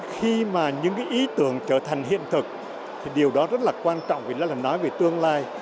khi mà những cái ý tưởng trở thành hiện thực thì điều đó rất là quan trọng vì nó là nói về tương lai